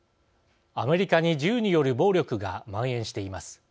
アメリカに銃による暴力がまん延しています。